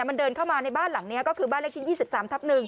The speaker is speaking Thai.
มันเดินเข้ามาในบ้านหลังนี้ก็คือบ้านเลขที่๒๓ทับ๑